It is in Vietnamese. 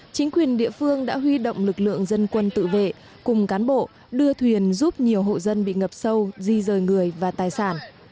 chính quyền địa phương đã huy động lực lượng dân quân tự vệ cùng cán bộ đưa thuyền giúp nhiều hộ dân bị ngập sâu di rời người và tài sản